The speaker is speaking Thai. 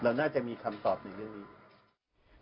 น่าจะมีคำตอบในเรื่องนี้